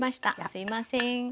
すいません。